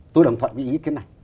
tôi đồng thuận với ý kiến này